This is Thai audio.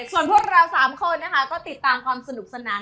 ส่วนพวกเรา๓คนนะคะก็ติดตามความสนุกสนาน